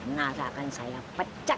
nara akan saya pecah